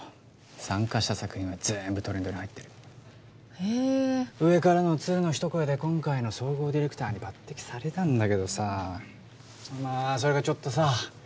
参加した作品は全部トレンドに入ってるへえ上からの鶴の一声で今回の総合ディレクターに抜てきされたんだけどさまあそれがちょっとさ